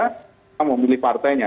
kita memilih partainya